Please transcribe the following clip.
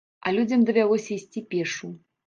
А людзям давялося ісці пешшу.